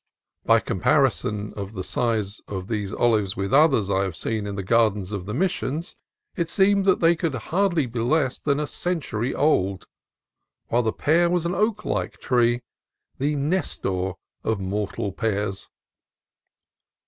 By comparison of the size of these olives with others I have seen in the gardens of the Missions, it seemed that they could hardly be less than a century old, while the pear was an oak like tree, the Nestor of mortal pears.